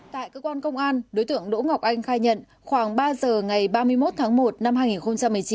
tại cơ quan công an đối tượng đỗ ngọc anh khai nhận khoảng ba giờ ngày ba mươi một tháng một năm hai nghìn một mươi chín